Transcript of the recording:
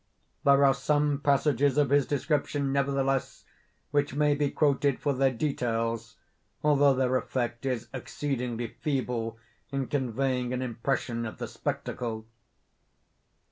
There are some passages of his description, nevertheless, which may be quoted for their details, although their effect is exceedingly feeble in conveying an impression of the spectacle.